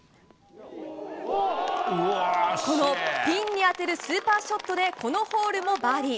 ピンに当てるスーパーショットでこのホールもバーディー。